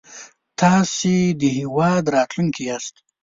تاسو د هېواد راتلونکی ياست